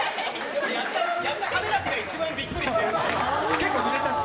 やった亀梨が一番びっくりし結構ぬれたし。